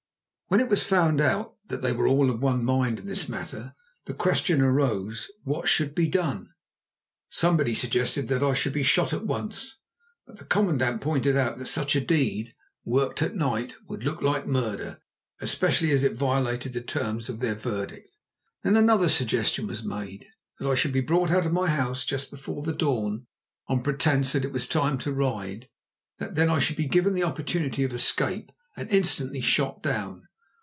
When it was found that they were all of one mind in this matter, the question arose: What should be done? Somebody suggested that I should be shot at once, but the commandant pointed out that such a deed, worked at night, would look like murder, especially as it violated the terms of their verdict. Then another suggestion was made: that I should be brought out of my house just before the dawn on pretence that it was time to ride; that then I should be given the opportunity of escape and instantly shot down.